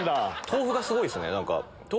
豆腐がすごいですね